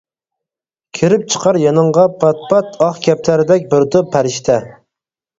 كىرىپ چىقار يېنىڭغا پات-پات ئاق كەپتەردەك بىر توپ پەرىشتە.